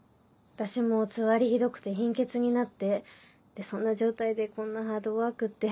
私もつわりひどくて貧血になってそんな状態でこんなハードワークって。